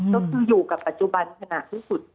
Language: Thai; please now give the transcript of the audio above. ก็คืออยู่กับปัจจุบันขณะที่สุด